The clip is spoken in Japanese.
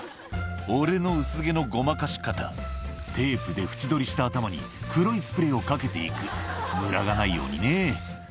「俺の薄毛のごまかし方」「テープで縁取りした頭に黒いスプレーをかけて行く」「ムラがないようにね」